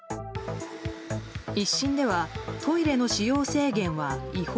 １審ではトイレの使用制限は違法。